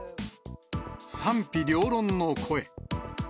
賛否両論の声。